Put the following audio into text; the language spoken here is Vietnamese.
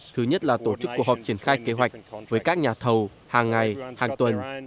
thứ nhất là tổ chức cuộc họp triển khai kế hoạch với các nhà thầu hàng ngày hàng tuần